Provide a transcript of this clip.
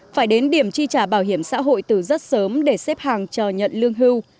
phải đến điểm chi trả bảo hiểm xã hội từ rất sớm để xếp hàng chờ nhận lương hưu